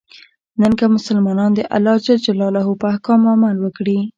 نن که مسلمانان د الله ج په احکامو عمل وکړي.